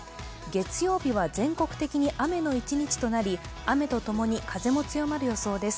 月曜日は全国的に雨の一日となり、雨とともに風も強まる予想です。